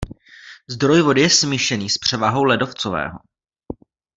Zdroj vody je smíšený s převahou ledovcového.